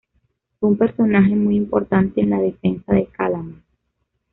Fue un personaje muy importante en la defensa de Calama.